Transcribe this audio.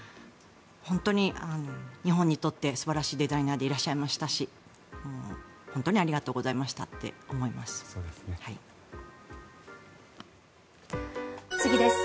本当に日本にとって素晴らしいデザイナーでいらっしゃいましたし本当にありがとうございましたって思います。